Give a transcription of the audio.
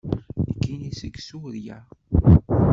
Nekkini seg Surya.